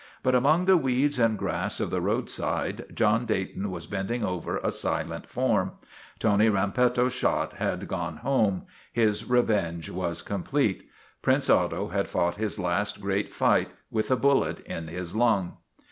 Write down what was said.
But among the weeds and grass of the roadside John Dayton was bending over a silent form. Tony Rampetto's shot had gone home; his revenge was complete. Prince Otto had fought his last great fight with a bullet in his lung.